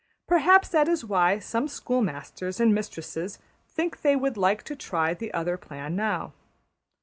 Perhaps that is why some schoolmasters and mistresses think they would like to try the other plan now.